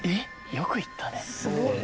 よく行ったね。